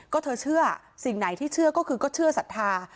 ก็เธอเชื่อสิ่งไหนที่เชื่อก็คือก็เชื่อศรัทธา